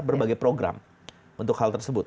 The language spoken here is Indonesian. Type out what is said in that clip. berbagai program untuk hal tersebut